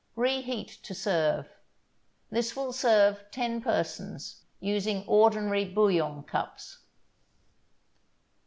Reheat to serve. This will serve ten persons, using ordinary bouillon cups.